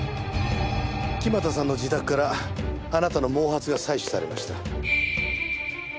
木俣さんの自宅からあなたの毛髪が採取されました。